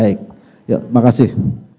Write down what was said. baik terima kasih